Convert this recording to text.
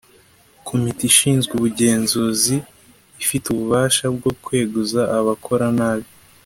Komite ishinzwe ubugenzuzi ifite ububasha bwo kweguza abakora nabi